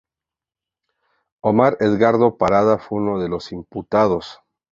Omar Edgardo Parada fue uno de los imputados.